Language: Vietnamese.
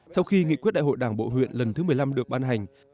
sau khi nghị quyết đại hội đảng bộ huyện lần thứ một mươi năm được ban hành